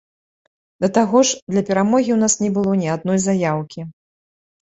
Да таго ж, для перамогі у нас не было ні адной заяўкі.